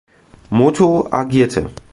Moto" agierte.